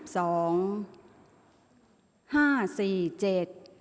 ออกรางวัลที่๖เลขที่๗